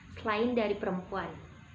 selain dari perempuan